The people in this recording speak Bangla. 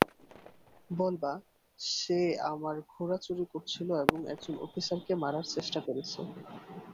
বলবা সে আমার ঘোড়া চুরি করছিল এবং একজন অফিসারকে মারার চেষ্টা করেছে।